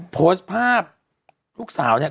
โพสต์ภาพลูกสาวเนี่ย